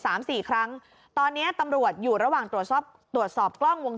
สามสี่ครั้งตอนเนี้ยตำรวจอยู่ระหว่างตรวจสอบตรวจสอบกล้องวง